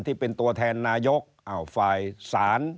ที่เป็นตัวแทนนายกฝ่ายศาล